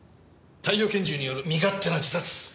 貸与拳銃による身勝手な自殺。